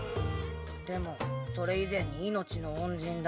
でもそれ以前に命の恩人だ。